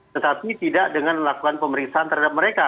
tetapi tidak dengan melakukan pemeriksaan terhadap mereka